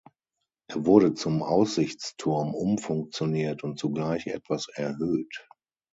Er wurde zum Aussichtsturm umfunktioniert und zugleich etwas erhöht.